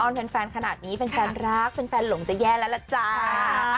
อ้อนเพลงแฟนขนาดนี้เป็นแฟนรักเป็นแฟนหลงจะแย่แล้วล่ะจ้า